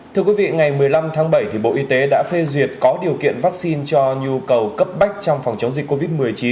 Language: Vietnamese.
thưa quý vị ngày một mươi năm tháng bảy bộ y tế đã phê duyệt có điều kiện vaccine cho nhu cầu cấp bách trong phòng chống dịch covid một mươi chín